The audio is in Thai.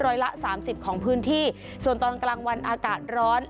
ร้อยละ๓๐ของพื้นที่ส่วนตอนกลางวันอาจารย์ร้อน